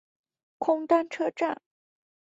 空丹车站。